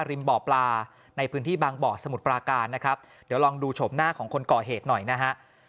บ่อปลาในพื้นที่บางบ่อสมุทรปราการนะครับเดี๋ยวลองดูโฉมหน้าของคนก่อเหตุหน่อยนะฮะ